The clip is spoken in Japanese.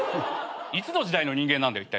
いつの時代の人間なんだよ。